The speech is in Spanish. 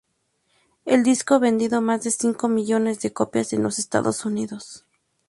El disco vendió más de cinco millones de copias en los Estados Unidos.